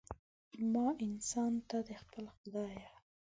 ما انسان ته، د خپل خدایه